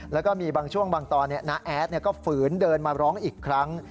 แล้วก็มีบางช่วงบางตอนน้าแอดก็ฝืนเดินมาร้องอีกครั้ง